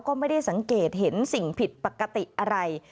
ก็ไม่ได้สังเกตเห็นสิ่งผิดปกติอะไร